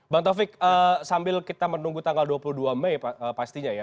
bang taufik sambil kita menunggu tanggal dua puluh dua mei pastinya ya